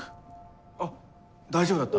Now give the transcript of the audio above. あっ大丈夫だった？